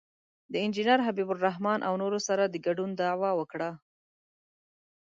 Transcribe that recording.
د انجینر حبیب الرحمن او نورو سره د ګډون دعوه وکړي.